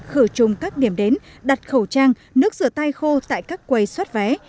khử trùng các điểm đến đặt khẩu trang nước rửa tay khô tại các quầy xoát vé